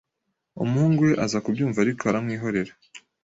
Umuhungu we aza kubyumva ariko aramwi horera